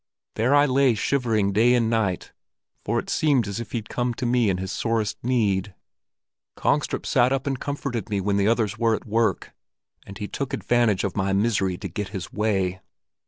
There I lay shivering day and night, for it seemed as if he'd come to me in his sorest need. Kongstrup sat with me and comforted me when the others were at work, and he took advantage of my misery to get his way.